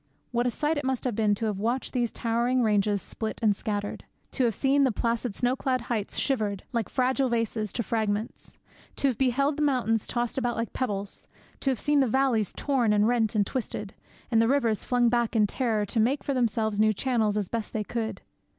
What a sight it must have been to have watched these towering ranges split and scattered; to have seen the placid snowclad heights shivered, like fragile vases, to fragments; to have beheld the mountains tossed about like pebbles; to have seen the valleys torn and rent and twisted; and the rivers flung back in terror to make for themselves new channels as best they could!